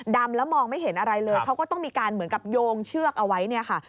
แล้วมองไม่เห็นอะไรเลยเขาก็ต้องมีการเหมือนกับโยงเชือกเอาไว้เนี่ยค่ะ